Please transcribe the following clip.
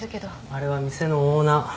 あれは店のオーナー。